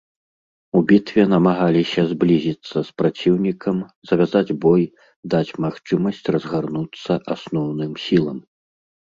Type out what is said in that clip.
У бітве намагаліся зблізіцца з праціўнікам, завязаць бой, даць магчымасць разгарнуцца асноўным сілам.